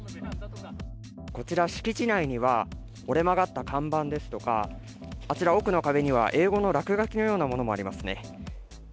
こちら、敷地内には折れ曲がった看板ですとかあちら奥の壁には英語の落書きのようなものもありますね。